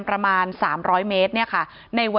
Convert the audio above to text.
ที่มีข่าวเรื่องน้องหายตัว